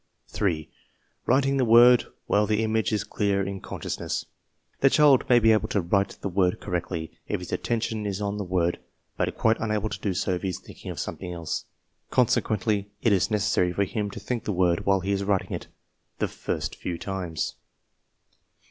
3; Writing the word while the image is clear in con CORRECTIVE AND ADJUSTMENT CASES 107 sciousness. The child may be able to write the word correctly if his attention is on the word but quite unable to do so if he is thinking of something else. Conse quently it is necessary for him to think the word while he is writing it the first few times.